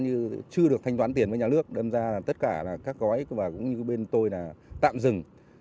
như chưa được thanh toán tiền với nhà nước đâm ra tất cả là các gói và cũng như bên tôi là tạm dừng